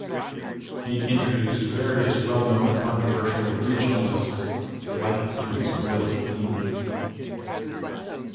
He introduced various well-known controversial regionalist like to his political team.